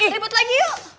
ribet lagi yuk